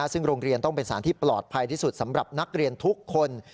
ซึ่งโรงเรียนต้องเป็นสารที่ปลอดภัยที่สุดสำหรับนักเรียนทุกคน